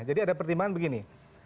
jadi ada pertimbangan begini